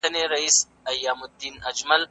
واردات باید باکیفیته وي.